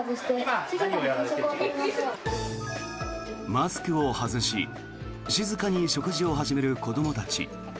マスクを外し静かに食事を始める子どもたち。